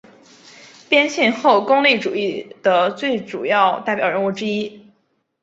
边沁后功利主义的最重要代表人物之一。